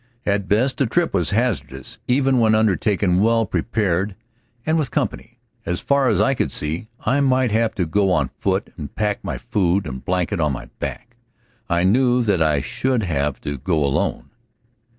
At best the trip was hazardous, even when undertaken well prepared and with company. As far as I could see, I might have to go on foot and pack my food and blanket on my back. I knew that I should have to go alone.